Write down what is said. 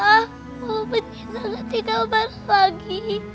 aku bencin gak tinggal baru lagi